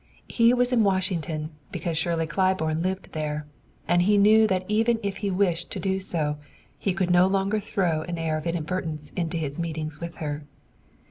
He was in Washington because Shirley Claiborne lived there, and he knew that even if he wished to do so he could no longer throw an air of inadvertence into his meetings with her.